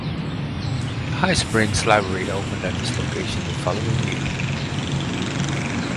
The High Springs Library opened at this location the following year.